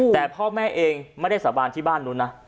แต่พ่อแม่เองไม่ได้สาบานที่บ้านนู้นนะ